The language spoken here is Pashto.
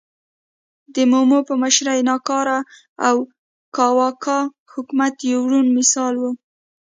د مومو په مشرۍ ناکاره او کاواکه حکومت یو روڼ مثال و.